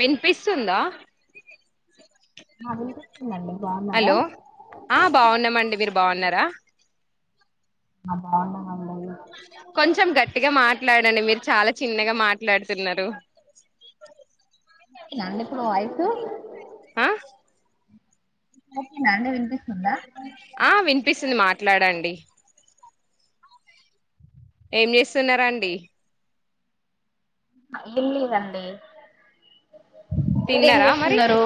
వినిపిస్తుందా ఆ వినిపిస్తుందండి బాగున్నారా హలో ఆ బాగున్నామండి మీరు బాగున్నారా ఆ బాన్నం కొంచెం గట్టిగా మాట్లాడండి మీ చాలా చిన్నగా మాట్లాడుతున్నారు నన్న ఇప్పుడు వాయిసు ఆ ఓకే నా అండి వినిపిస్ ఆ వినిపిస్తుంది మా ట్లాడండి ఏం చేస్తున్నారాండి ఏమి లేదండి ఏం తిన్నారా మరి చేస్తున్నారు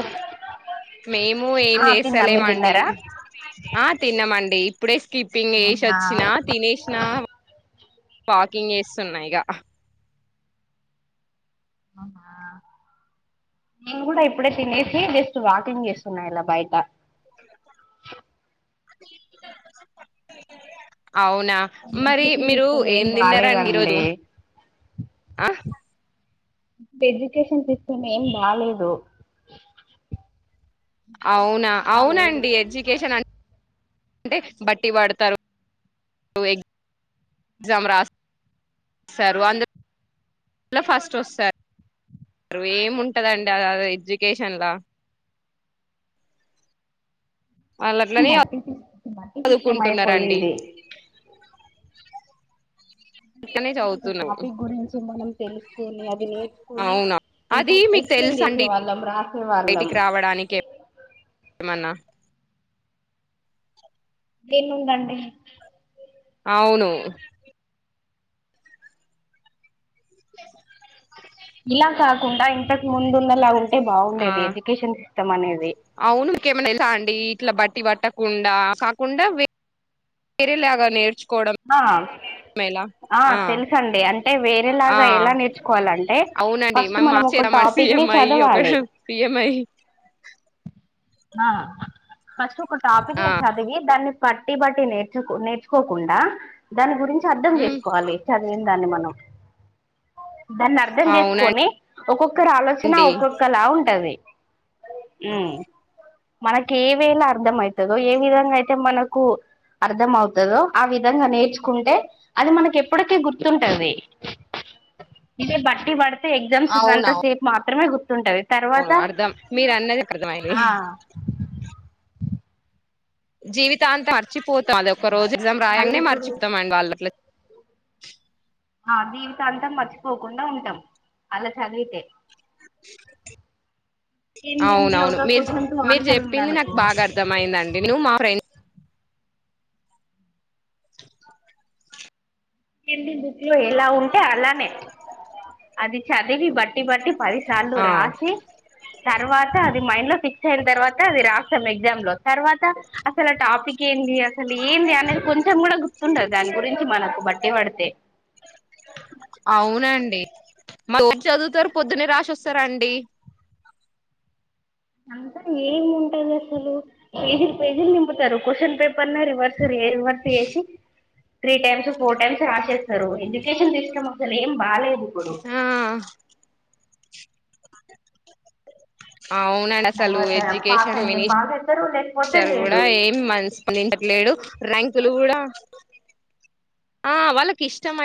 మేము ఏం ఆ తిన్నా మీరు చేస్తలేమండి తిన్నారా ఆ తిన్నామండి ఇపుడేస్ స్కిప్పింగ్ ఏసి అవునా వచ్చినా తినేసిన వాకింగ్ చేస్తున్నా ఇగ అవునా నేను కూడా ఇప్పుడే తినేసి జస్ట్ వాకింగ్ చేస్తున్నా ఇలా బయట అవునా మరి ఎడ్యుకేషన్ మీరు సిస్టమ్ ఏం తిన్నారా అండి ఈరోజు బాలేదండి ఇ ఎడ్యుకేషన్ సిస్టమ్ ఏం బాలేదు అవునా అలా లేదు అవునండి ఎడ్యుకేషన్ అం అంటే బట్టి పడతారు ఎగ్జామ్ రాస్తరు అందులో కూడా ఫస్ట్ వస్తారు ఏముంటుందండి అ ఎడ్యుకేషన్లా వాళ్ళు అట్లనే బట్టి సిస్టమ్ బట్టి చదువుకుంటున్నారండి సిస్టమయిపోయింది ఇక్కనే చవుతున తెలుసుకుని అది నేర్చుకుని ఇంత అది మీకు ఎక్స్ప్లెయిన్ తెలుసా చేసే అండి వాళ్ళం రాసే వాళ్ళం బయటికి రావడానికి ఏమన్నా దేన్నుందండి అవును చేస్తున్నావా మేడం పని ఇలా కాకుండా ఇంతక్ ముందున్న లాగా ఆ బాగుండేది ఎడ్యుకేషన్కి మత్తం అనేది ఇంకేమైనా తెల్సా అండి ఇట్లా బట్టి పట్టకుండా కాకుండా తెరిలాగ నేర్చు అ అ ఆ తెలుసండి అం టె వే ఆ రేలాగా ఎలా నేర్చుకోవాలంటే అవునండి ఫస్ట్ మేము మనం ఒక మార్చేద్దామండి టాపిక్ సీఎం ని అయి ఒక చదవాలే సీఎం అయి అ ఫస్ట్ ఒక టాపిక్ ఆ ని చదివి దాన్ని పట్టి బట్టి నేర్చు నేర్చుకోకుండా దాని గురించి అర్థం ఉమ్, చేసుకోవాలి చదివింది దాన్ని మనం దాన్ని అర్ధం అవునండి చేసుకొని ఒకొక ఒక్కరి ఆలోచన ఒక్కొక్కలా ఉంటది ఉ మనకి ఏవేళ అర్థం అవుతుందో, ఏ విధంగా అయితే మనకు అర్థం అవుతుందో ఆ విధంగా నేర్చుకుంటే అది మనకి ఎప్పటికీ గుర్తుంటది. ఇదే బట్టి పడితే ఎగ్జామ్స్ ఉన్నంత అవునవును సేప్ మాత్రమే గుర్తు ఉంటది. తర్వాత అర్ధం మీరు అన్నది అర్థమైంది ఆ జీవితాంతం అర్థం మర్చిపోతాం, అదొక రోజు ఎగ్జామ్ మళ్ళీ రాయంగానే ఇప్పుడు మర్చిపోతాం. ఇంగ వాల్లట్ల ఆ జీవితాంతం మర్చిపోకుండా ఉంటాం. అలా చదివితే ఏంటంటే అవునవును, ఒక మీరు క్వశ్చన్ కు మీరు ఆన్సర్ చెప్పింది నాకు ఉందనుకో బాగా అర్థమయిందండి. నువ్వు మా ఫ్రెండ్ ఎందిది ఇట్లు ఎలా ఉంది అ అలానేే అది చదివి బట్ బట్టి పట్టి పదిసార్లు ఆ రాసి, తర్వాత ఫస్ట్ అది మైండ్ లో ఫిక్స్ అయిన తర్వాత, అది రాస్తాం ఎగ్జామ్ లో తర్వాత అసలు ఆ టాపిక్ ఏంది అసలు ఏంది అని కొంచెం గుర్తుండదు. దాని గురించి బట్టి పడుతే అవునండి మాఊరు చదువుతారు, పొద్దున్న రాసి వస్తారండి అంత ఏం ఉంటది అసలు, పేజీలు పేజీలు నింపుతారు క్వశ్చన్ పేపర్ నే రివర్స రివర్స్ చేసి త్రీ టైమ్స్ ఫోర్ టైమ్స్ రాసేస్తారు. ఎడ్యుకేషన్ సిస్టమ్ అసలు ఏం బాలేదు, ఇప్పుడు ఆ అవునండి అసలు తర్వాత పాస్ ఎడ్యుకేషన్ అయితే మినిస్ పాస్ అయితారు లేకపోతే ఇారు కూడా లేదు ఏం మనందించట్లేడు ర్యాంకులు కూడా ఆ వాళ్ళకి ఇష్టమ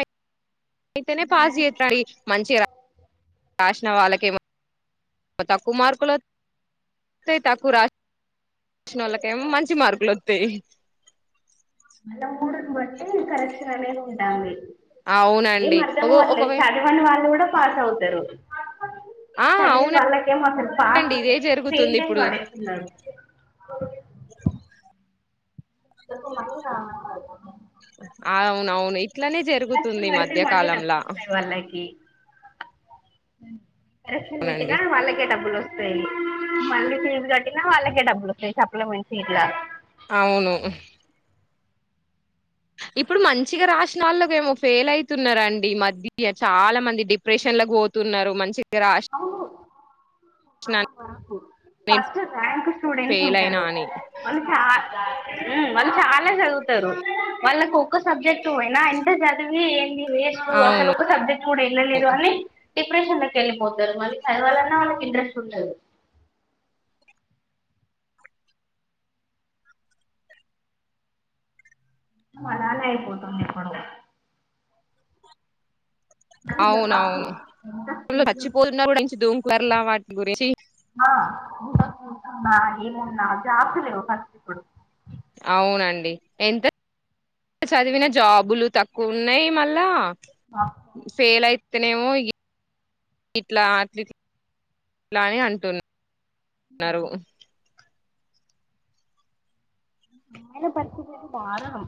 అయితేనే పాస్ చేతుడి మంచి రా రాసిన వాళ్ళకే తక్కువ మార్కులు వా వాయి తక్కువ రా రాసిన వాళ్ళకేమో మంచి మార్కులు వస్తాయి మళ్ళ మూడన్ బట్టే కరెక్షన్ అనే ఉంటాలి ఏం అవునండి ఒక అర్థంవర్లేదు ఒకవే చదివని వాళ్ళు కూడా పాస్ అవుతారు ఆ ఆ చదివి అవును వాళ్ళకేమో అసలు అండి పాస్ ఇదే స్ీట్ జరుగుతుంది ఇప్పుడు పడేస్తున్నారుడు అ ఇకు మ నావును అట్లనే జరుగుతుంది మధ్యకాలంలా డబ్బులు వస్తాయి వాళ్ళకి కరెక్షన్లు అవునండి పెట్టిన వాళ్ళకే డబ్బుల్ వస్త్ పెయిన్ మీళ్ళీ తీన్ గడ్ విన్న వాళ్ళకే డబ్బుల్ వస్తాయ్ చెప్పాలా మంచిగ్ ఇట్లా అవును ఇప్పుడు మంచిగా రాసినోళ్లకేమ్మో ఫెయిల్ అవుయ్తున్నారండి. ఈ మధ్య చాలా మంది డిప్రెషన్లకి పోతున్నారు మంచి గ్రాస్ అవును నేను ఫస్ట్ ర్యాంక్ స్టూడెంట్స్ ఫెయిల్ అయినా ఉంటారు అని వాళ్లు ఫస్ట్గా హ్మ్ వాళ్ళు చాలా చదువుతారు. వాళ్ళకి ఒక్క సబ్జెక్ట్ పోయినా ఎంత చదివి ఏంటి వేస్టు అసలు అవును ఒక సబ్జెక్ట్ కూడా వినలేదు అని డిప్రషన్లేక్ వెల్ కొందరు మళ్ళీ చదవాలన్నా వాళ్లకి ఇంట్రెస్ట్ ఉండదు. [unintelligible] కానీ జాబ్స్ అవ్నావును ఎంత ఫుల్ స్కిల్స్ ఛచ్చిపోతున్న కూడా [unintelligible] వర్లా వాట్ గురించి [inaudible] ఏమున్నా జాస్థిలేవు ఖర్చు ఇప్పుడు అవునండి ఎంత చదివిన జాబులు తక్కువ ఉన్నాయ్ మళ్ళా మా అమ్మాయిల ఫెయ్లై ఇతనేమో ఇ ఇట్లా అట్టిట్ల అని అంటున్నా మరు మా ఆయన పరిస్థితి అయితే దారుణం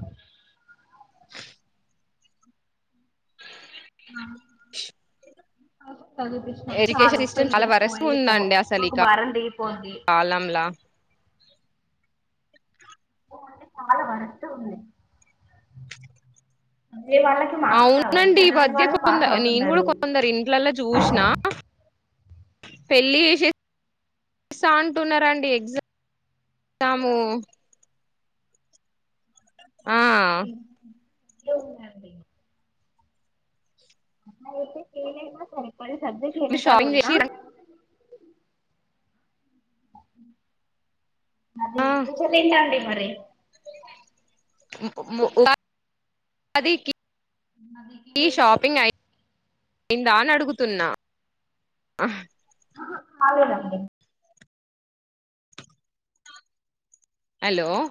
చదువుపిచ్నాం చాలు ఎడ్యుకేషన్ సిస్టమ్ పెళ్లి చాలా జేసుకో వరస్ట్ ఎళ్ళిపో ఉందండి అసలు ఈ మాకు భారం దిగిపోద్ధి కాలంలా అవునండి చాలా వరస్ట్ గుంది అవునండి. ఈ వధ్యన్ కొంద పాస్ నీన్ గుడ అవుతున్నారు కొందరి ఇండ్లలో జుస్నా పెళ్లి జెసే స్తా. అంటున్నారండి ఎగ్జ్ జాము ఆ చేయనిహే ఎహ్ లేవునండి మరైతే చేయలేమా సరే పది సబ్జెక్టులు మీరు ఎన్కాలు షాపింగ్ ఉన్న చేసి ఆ విజిటింగ్ అండి మరేమో ప పదికి మదికీ అయిందా అని అడుగుతున్నా అహ్ అహ కాలేదండి అలోయ్